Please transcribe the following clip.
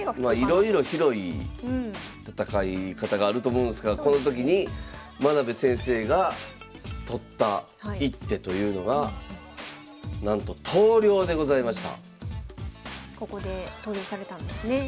いろいろ広い戦い方があると思うんですがこの時に真部先生が取った一手というのがなんとここで投了されたんですね。